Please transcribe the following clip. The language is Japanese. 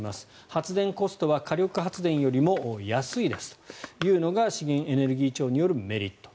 発電コストは火力発電よりも安いですというのが資源エネルギー庁によるメリット。